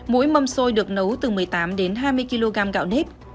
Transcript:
mũi mâm xôi được nấu từ một mươi tám đến hai mươi kg gạo nếp